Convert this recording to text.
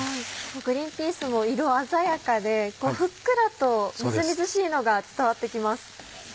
グリンピースも色鮮やかでふっくらとみずみずしいのが伝わってきます。